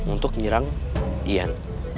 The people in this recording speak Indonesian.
untuk nyerang ian